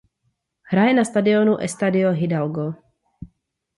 Hraje na stadionu Estadio Hidalgo.